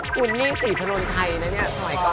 คุณนี่ตรีศนลใครนะนี่ถอยก่อน